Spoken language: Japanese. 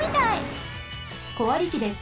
小割機です。